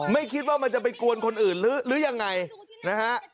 ไม่คิดว่ามันจะไปกวนคนอื่นหรือยังไงนะฮะ